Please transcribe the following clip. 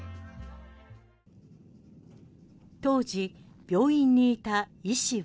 当時病院にいた医師は。